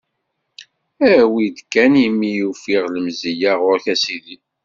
Awi-d kan imi i ufiɣ lemzeyya ɣur-k, a sidi.